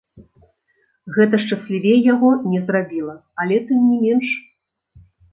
Гэта шчаслівей яго не зрабіла, але тым не менш.